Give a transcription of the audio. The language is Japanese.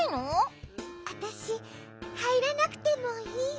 あたしはいらなくてもいい？